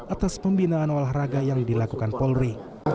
atas pembinaan olahraga yang dilakukan polri